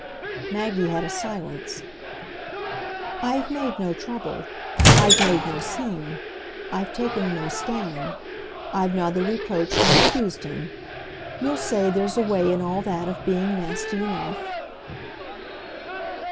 Maggie had a silence. "I've made no trouble. I've made no scene. I've taken no stand. I've neither reproached nor accused him. You'll say there's a way in all that of being nasty enough."